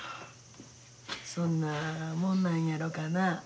そんなもんなんやろかなあ。